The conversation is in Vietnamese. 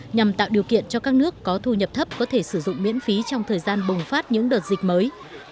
nhằm tạo điều kiện cho các nước có thu nhập thấp có thể sử dụng miễn phí trong thời gian bùng phát những đợt dịch mới